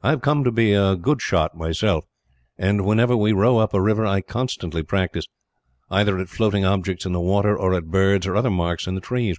I have come to be a good shot myself and, whenever we row up a river, I constantly practise either at floating objects in the water, or at birds or other marks in the trees.